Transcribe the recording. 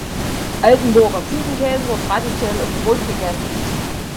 Altenburger Ziegenkäse wird traditionell auf Brot gegessen.